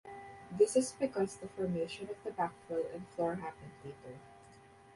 This is because the formation of the backfill and floor happened later.